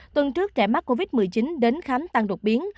tuần trước trẻ mắc covid một mươi chín đến khám tăng đột biến